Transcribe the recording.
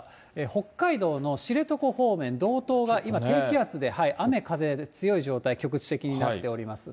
北海道の知床方面、道東が今、低気圧で雨、風の強い状態、局地的になっております。